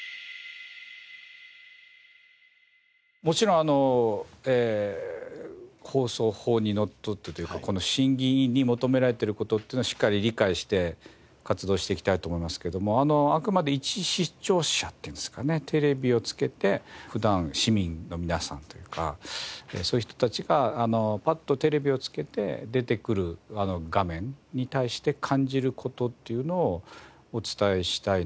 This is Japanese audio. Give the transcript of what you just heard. もちろん放送法にのっとってというかこの審議員に求められてる事っていうのはしっかり理解して活動していきたいと思いますけどもあくまで一視聴者っていうんですかねテレビをつけて普段市民の皆さんというかそういう人たちがパッとテレビをつけて出てくる画面に対して感じる事っていうのをお伝えしたいなと。